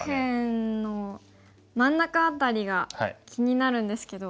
右辺の真ん中辺りが気になるんですけど。